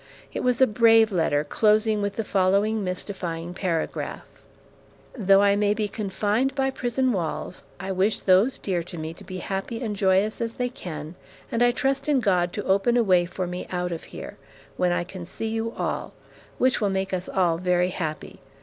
It was a brave letter, closing with the following mystifying paragraph: Though I may be confined by prison walls, I wish those dear to me to be happy and joyous as they can, and I trust in God to open a way for me out of here, when I can see you all; which will make us all very happy.